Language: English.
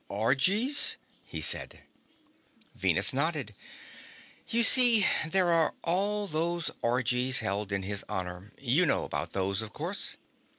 "Orgies?" he said. Venus nodded. "You see, there are all those orgies held in his honor. You know about those, of course."